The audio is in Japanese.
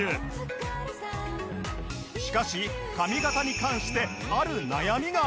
しかし髪形に関してある悩みが